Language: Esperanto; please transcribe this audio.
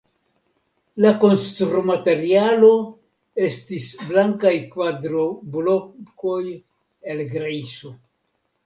La konstrumaterialo estis blankaj kvadroblokoj el grejso.